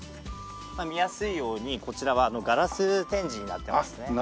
見やすいようにこちらはガラス展示になってますね。